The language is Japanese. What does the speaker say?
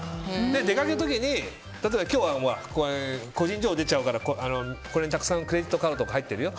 出かける時に今日は個人情報出ちゃうからこれにたくさんクレジットカードとか入ってるよ。